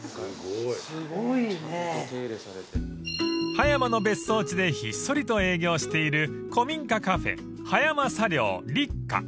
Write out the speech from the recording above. ［葉山の別荘地でひっそりと営業している古民家カフェ葉山茶寮ＲＩＣＣＡ］